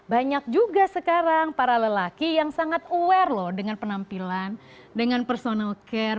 banyak juga sekarang para lelaki yang sangat aware loh dengan penampilan dengan personal care